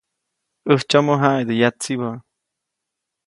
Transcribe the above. ‒ʼÄjtsyomo jaʼidä yatsibä-.